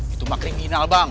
itu mah kriminal bang